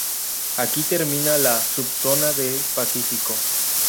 Aquí termina la sub-zona de "Pacífico".